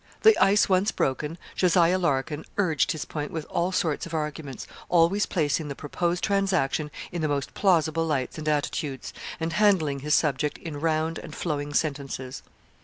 The ice once broken, Jos. Larkin urged his point with all sorts of arguments, always placing the proposed transaction in the most plausible lights and attitudes, and handling his subject in round and flowing sentences.